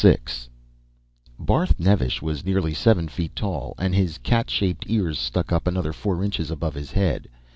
VI Barth Nevesh was nearly seven feet tall, and his cat shaped ears stuck up another four inches above his head.